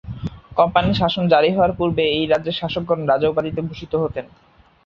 Company শাসন জারি হওয়ার পূর্বে এই রাজ্যের শাসকগণ রাজা উপাধিতে ভূষিত হতেন।